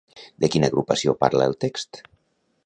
De quina agrupació parla el text?